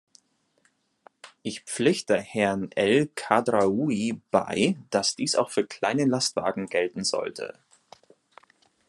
Ich pflichte Herrn El Khadraoui bei, dass dies auch für kleine Lastwagen gelten sollte.